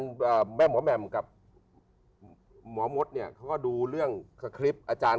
ดวงชตาเมื่อกี้เราคุยข้างไหน